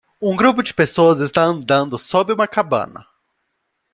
Um grupo de pessoas está andando sob uma cabana.